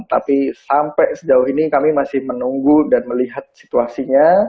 tapi sampai sejauh ini kami masih menunggu dan melihat situasinya